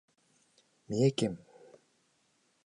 三重県